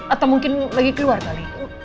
atau mungkin lagi keluar kali